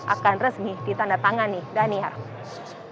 akan resmi ditandatangan nih dani harap